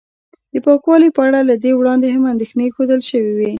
د پاکوالي په اړه له دې وړاندې هم اندېښنې ښودل شوې وې